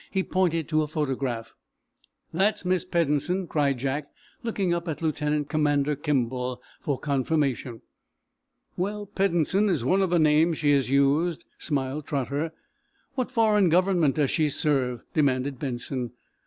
He pointed to a photograph. "That's Miss Peddensen," cried Jack, looking up at Lieutenant Commander Kimball for confirmation. "Well, Peddensen is one of the names she has used," smiled Trotter. "What foreign government does she serve?" demanded Benson.